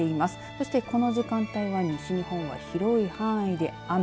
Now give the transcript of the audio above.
そしてこの時間帯は西日本は広い範囲で雨。